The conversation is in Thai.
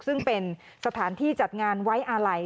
ซึ่งเป็นสถานที่จัดงานไว้อาลัย